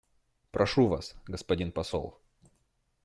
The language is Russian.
Прошу вас, господин посол.